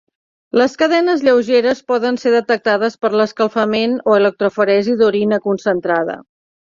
Les cadenes lleugeres poden ser detectades per escalfament o electroforesi d'orina concentrada.